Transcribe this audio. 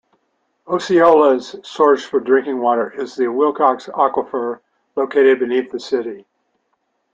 Osceola's source for drinking water is the Wilcox Aquifer, located beneath the city.